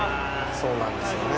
そうなんですよね。